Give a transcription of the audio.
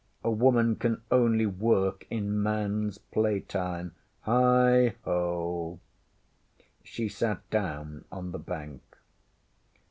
A woman can only work in manŌĆÖs play time. Heigho! ŌĆÖ She sat down on the bank.